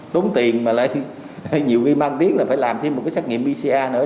tốn tiền mà lại nhiều khi mang tiếng là phải làm thêm một cái xét nghiệm pcr nữa